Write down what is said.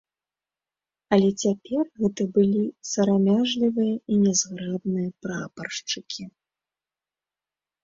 Але цяпер гэта былі сарамяжлівыя і нязграбныя прапаршчыкі.